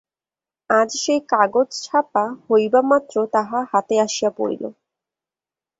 আজ সেই কাগজ ছাপা হইবামাত্র তাহা হাতে আসিয়া পড়িল।